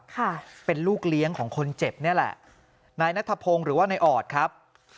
ค่ะเป็นลูกเลี้ยงของคนเจ็บนี่แหละนายนัทพงศ์หรือว่านายออดครับ